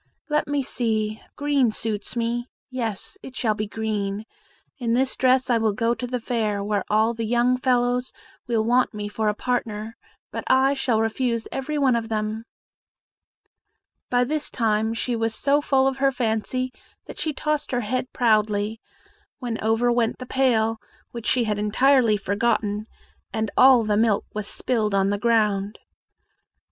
Let me see green suits me; yes, it shall be green. In this dress I will go to the fair, where all the young fellows will want me for a partner, but I shall refuse every one of them." By this time she was so full of her fancy that she tossed her head proudly, when over went the pail, which she had entirely forgotten, and all the milk was spilled on the ground.